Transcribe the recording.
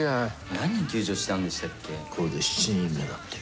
何人救助したんでしたっけ？